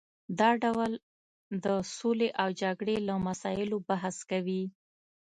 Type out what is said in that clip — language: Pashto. دا ډول د سولې او جګړې له مسایلو بحث کوي